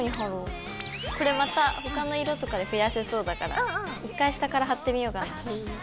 これまた他の色とかで増やせそうだから一回下から貼ってみようかな。